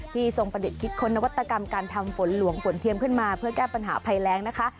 ทรงประดิษฐ์คิดค้นนวัตกรรมการทำฝนหลวงฝนเทียมขึ้นมาเพื่อแก้ปัญหาภัยแรงนะคะ